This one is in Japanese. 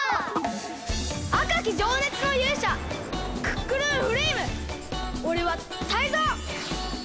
あかきじょうねつのゆうしゃクックルンフレイムおれはタイゾウ！